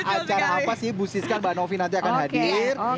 acara apa sih bu siska mbak novi nanti akan hadir